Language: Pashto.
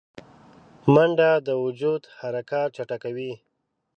منډه د وجود حرکات چټکوي